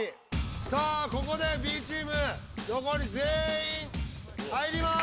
さあここでＢチーム残り全員入ります。